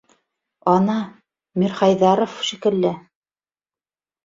Ана, Мирхәйҙәров шикелле.